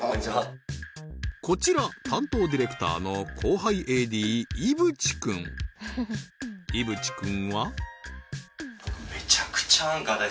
こちら担当ディレクターの後輩ＡＤ井渕くん